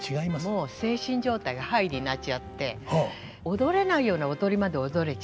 もう精神状態がハイになっちゃって踊れないような踊りまで踊れちゃうの。